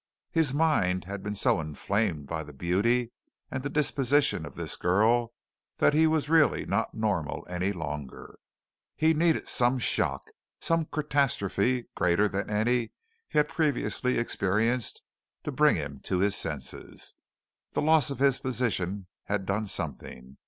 His mind had been so inflamed by the beauty and the disposition of this girl that he was really not normal any longer. He needed some shock, some catastrophe greater than any he had previously experienced to bring him to his senses. The loss of his position had done something.